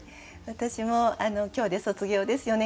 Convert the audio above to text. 私も今日で卒業です。